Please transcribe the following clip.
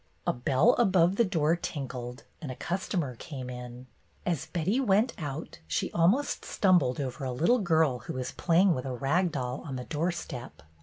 A bell above the door tinkled and a customer came in. As Betty went out, she almost stumbled over a little girl who was playing with a rag doll on the doorstep.